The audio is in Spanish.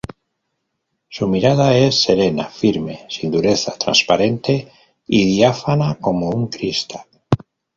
Su mirada es serena firme sin dureza, transparente y diáfana como un cristal.